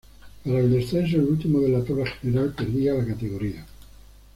Para el descenso, el último de la tabla general perdía la categoría.